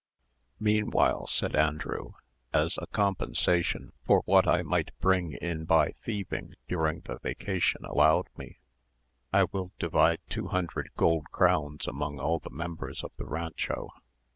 "Meanwhile," said Andrew, "as a compensation for what I might bring in by thieving during the vacation allowed me, I will divide two hundred gold crowns among all the members of the rancho."